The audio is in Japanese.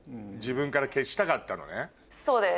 そうです。